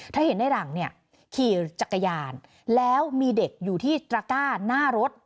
เธอเห็นในหลังเนี่ยขี่จักรยานแล้วมีเด็กอยู่ที่ตระก้าหน้ารถ